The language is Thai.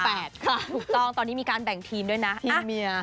ถูกต้องตอนนี้มีการแบ่งทีมด้วยนะทีมเมีย